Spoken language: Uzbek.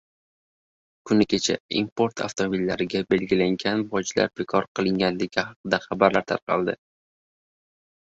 Kuni kecha import avtomobillarga belgilangan bojlar bekor qilinganligi haqida xabarlar tarqadi.